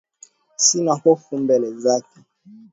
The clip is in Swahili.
Sina hofu mbele zake.